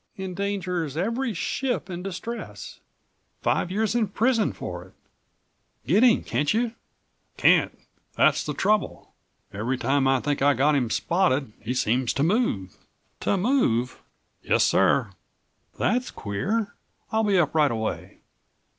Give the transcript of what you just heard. Endangers every ship in distress. Five years in prison for it. Get him, can't you?" "Can't. That's the trouble. Every time I think I've got him spotted he seems to move." "To move!" "Yes, sir." "That's queer! I'll be up right away."